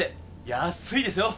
安いですよ！